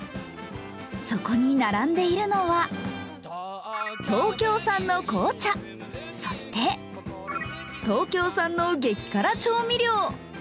そこに並んでいるのは、東京産の紅茶、そして東京産の激辛調味料。